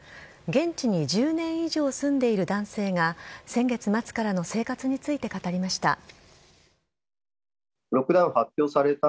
現地に１０年以上住んでいる男性が先月末からの生活について語りました。